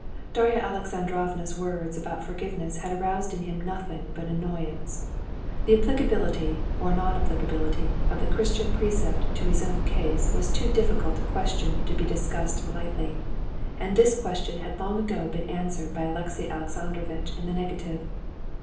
Darya Alexandrovna's words about forgiveness had aroused in him nothing but annoyance. The applicability or non applicability of the Christian precept to his own case was too difficult a question to be discussed lightly, and this question had long ago been answered by Alexey Alexandrovitch in the negative.